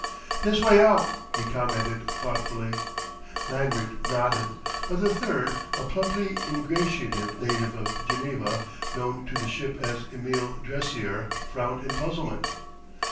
"This way out," he commented thoughtfully. Lanyard nodded; but the third, a plumply ingratiative native of Geneva, known to the ship as Emil Dressier, frowned in puzzlement.